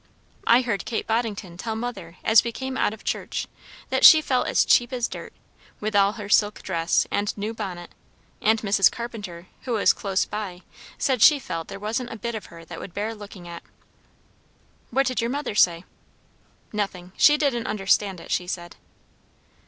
I heard Kate Boddington telling mother, as we came out of church, that she felt as cheap as dirt, with all her silk dress and new bonnet; and Mrs. Carpenter, who was close by, said she felt there wasn't a bit of her that would bear looking at." "What did your mother say?" "Nothing. She didn't understand it, she said."